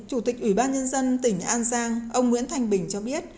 chủ tịch ủy ban nhân dân tỉnh an giang ông nguyễn thanh bình cho biết